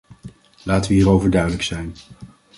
Laten we hierover duidelijk zijn.